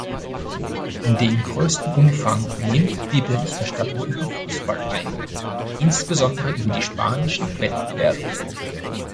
Den größten Umfang nimmt die Berichterstattung über Fußball ein, insbesondere über die spanischen Wettbewerbe.